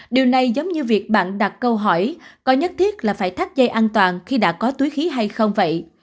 điều này giống như việc bạn đặt câu hỏi có nhất thiết là phải thắt dây an toàn khi đã có túi khí hay không vậy